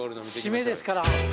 締めですから。